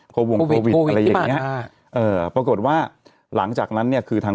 วงโควิดอะไรอย่างเงี้เอ่อปรากฏว่าหลังจากนั้นเนี่ยคือทาง